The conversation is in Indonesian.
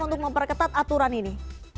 untuk memperketat aturan ini